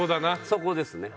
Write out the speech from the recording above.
そこですね。